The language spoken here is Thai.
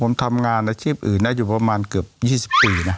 ผมทำงานอาชีพอื่นนะอยู่ประมาณเกือบ๒๐ปีนะ